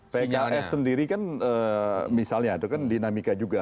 pks sendiri kan misalnya itu kan dinamika juga